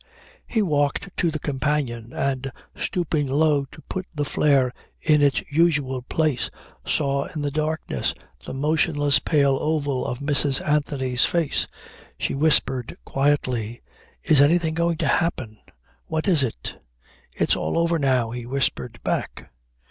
He walked to the companion and stooping low to put the flare in its usual place saw in the darkness the motionless pale oval of Mrs. Anthony's face. She whispered quietly: "Is anything going to happen? What is it?" "It's all over now," he whispered back.